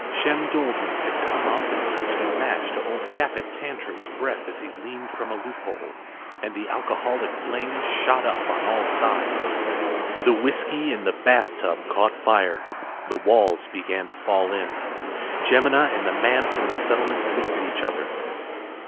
Shem Doldrum had come up and touched a match to old Japhet Tantrum’s breath as he leaned from a loophole, and the alcoholic flames shot up on all sides. The whiskey in the bathtub caught fire. The walls began to fall in. Jemina and the man from the settlements looked at each other.